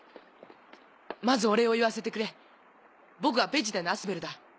まずお礼を言わせてくれ僕はペジテのアスベルだ。